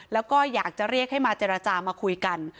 แล้วก็อยากจะเรียกให้มาเจรจามาคุยกัน